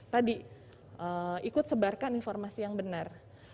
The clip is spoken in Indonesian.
tadi ikut sebarkan informasi yang benar